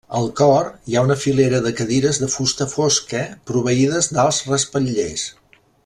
El cor hi ha una filera de cadires de fusta fosca, proveïdes d'alts respatllers.